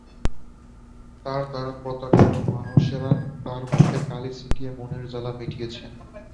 তাঁর দ্বারা প্রতারিত মানুষেরা তাঁর মুখে কালি ছিটিয়ে মনের জ্বালা মিটিয়েছেন।